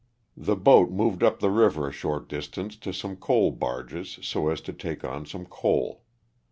The boat moved up the river a fhort distance to some coal barges so as to take on some coal.